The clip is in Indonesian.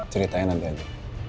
ceritanya nanti aja